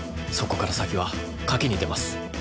そこから先は賭けに出ます。